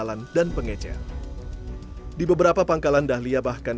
bu sudah keliling berapa pangkalan ibu datang